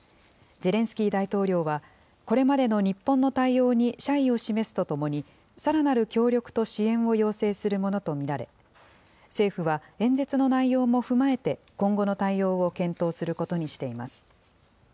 ゼレンスキー大統領は、これまでの日本の対応に謝意を示すとともに、さらなる協力と支援を要請するものと見られ、政府は、演説の内容も踏まえて、今後の対応を検討することにしています。